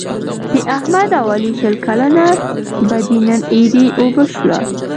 د احمد او علي شل کلنه بدي نن ایرې اوبه شوله.